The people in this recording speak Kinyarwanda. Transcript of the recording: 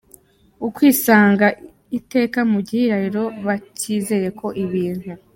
ukwisanga iteka mu gihirahiro batizeye ko ibintu